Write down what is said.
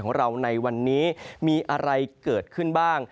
ของเราในวันนี้มีอะไรเกิดขึ้นบ้าง